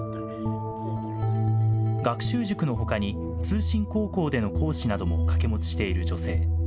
学習塾のほかに、通信高校での講師なども掛け持ちしている女性。